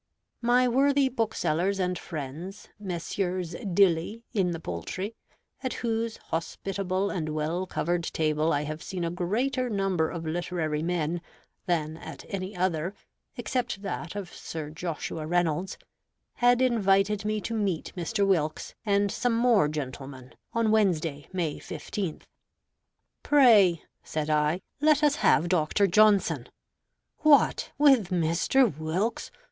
My worthy booksellers and friends, Messieurs Dilly in the Poultry, at whose hospitable and well covered table I have seen a greater number of literary men than at any other except that of Sir Joshua Reynolds, had invited me to meet Mr. Wilkes and some more gentlemen on Wednesday, May 15th. "Pray" (said I), "let us have Dr. Johnson." "What, with Mr. Wilkes?